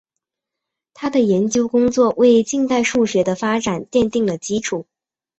他的研究工作为近代数学的发展奠定了基础。